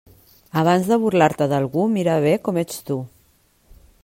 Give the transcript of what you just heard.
Abans de burlar-te d'algú, mira bé com ets tu.